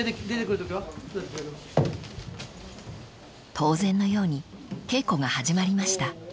［当然のように稽古が始まりました］